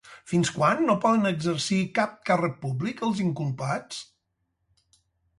Fins quan no poden exercir cap càrrec públic els inculpats?